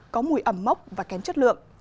có mùi ẩm mốc và kém chất lượng